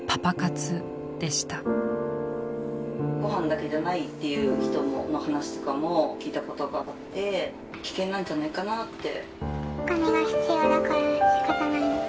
ご飯だけじゃないっていう人の話とかも聞いたことがあって危険なんじゃないかなって。